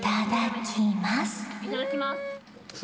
いただきます。